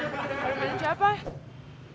sarimin siapa ya